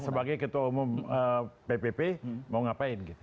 ya sebagai ketua umum ppp mau ngapain